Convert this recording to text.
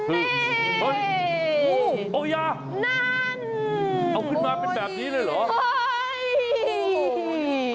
เอาขึ้นมาเป็นแบบนี้เลยเหรอ